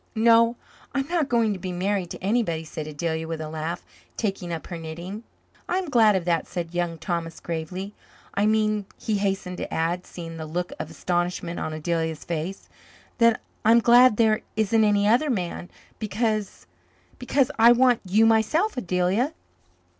"No, I'm not going to be married to anybody," said Adelia with a laugh, taking up her knitting. "I'm glad of that," said Young Thomas gravely. "I mean," he hastened to add, seeing the look of astonishment on Adelia's face, "that I'm glad there isn't any other man because because I want you myself, Adelia."